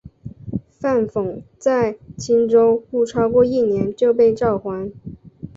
范讽在青州不超过一年就被召还。